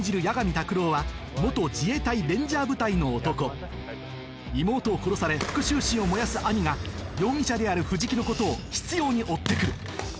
八神拓郎は自衛隊レンジャー部隊の男妹を殺され復讐心を燃やす兄が容疑者である藤木のことを執拗に追って来る